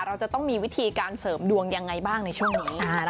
เราจะต้องมีวิธีการเสริมดวงยังไงบ้างในช่วงนี้